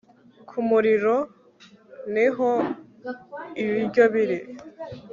ku muriro niho ibiryo biri